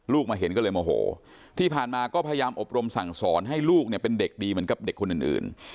มาเห็นก็เลยโมโหที่ผ่านมาก็พยายามอบรมสั่งสอนให้ลูกเนี่ยเป็นเด็กดีเหมือนกับเด็กคนอื่น